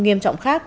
nghiêm trọng khác